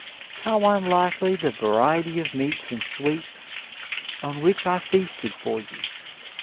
How unlike the variety of meats and sweets on which I feasted for you.'